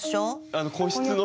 あの個室の。